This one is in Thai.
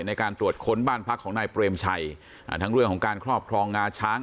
ในการตรวจค้นบ้านพักของนายเปรมชัยอ่าทั้งเรื่องของการครอบครองงาช้าง